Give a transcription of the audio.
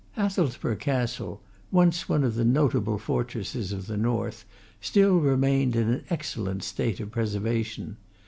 Hathelsborough Castle, once one of the most notable fortresses of the North, still remained in an excellent state of preservation.